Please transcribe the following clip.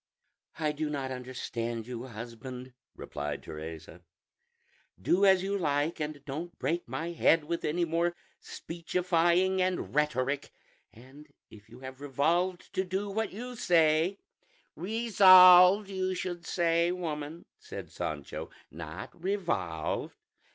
"I do not understand you, husband," replied Teresa; "do as you like, and don't break my head with any more speechifying and rhetoric; and if you have revolved to do what you say " "Resolved, you should say, woman," said Sancho, "not revolved."